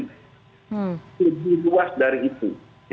lebih luas dari itu